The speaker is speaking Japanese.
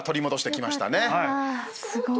すごい。